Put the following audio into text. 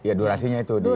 iya durasinya itu